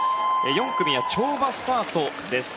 ４組は跳馬スタートです。